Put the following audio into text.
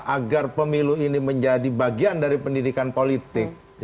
agar pemilu ini menjadi bagian dari pendidikan politik